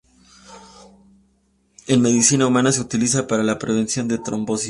En medicina humana se utiliza para la prevención de trombosis.